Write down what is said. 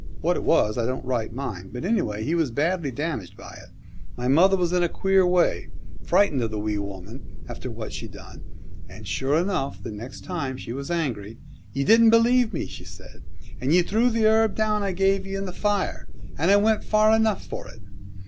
What it was I don't right mind, but anyway he was badly damaged by it. My mother was in a queer way, frightened of the Wee Woman, after what she done, and sure enough the next time she was angry. "Ye didn't believe me," she said, "and ye threw the herb I gave ye in the fire, and I went far enough for it."